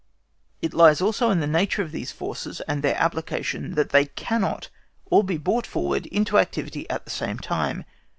It lies also in the nature of these forces and their application that they cannot all be brought into activity at the same time.